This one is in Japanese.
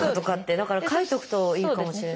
だから書いておくといいかもしれない。